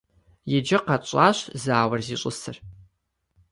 Иджы къэтщӀащ зауэр зищӀысыр.